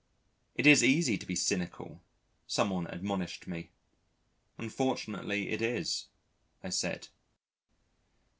"It is easy to be cynical," someone admonished me. "Unfortunately it is," I said.